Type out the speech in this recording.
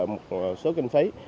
một số kinh phí